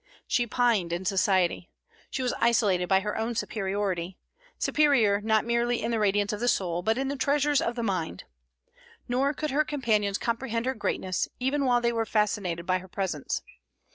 She pined in society. She was isolated by her own superiority, superior not merely in the radiance of the soul, but in the treasures of the mind. Nor could her companions comprehend her greatness, even while they were fascinated by her presence.